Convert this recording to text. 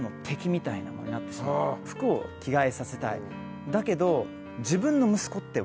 服を着替えさせたいだけど。